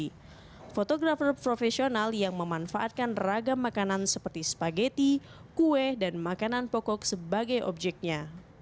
ini fotografer profesional yang memanfaatkan ragam makanan seperti spageti kue dan makanan pokok sebagai objeknya